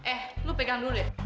eh lu pegang dulu deh